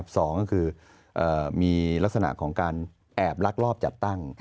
สองก็คือมีลักษณะของการแอบลักลอบจัดตั้ง